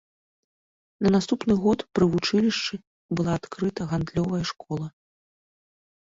На наступны год пры вучылішчы была адкрыта гандлёвая школа.